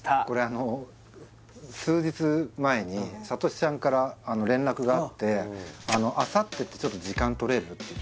これあの数日前に聡ちゃんから連絡があって「あさってって時間とれる？」